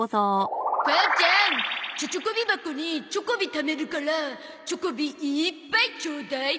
母ちゃん貯チョコビ箱にチョコビためるからチョコビいーっぱいちょうだい！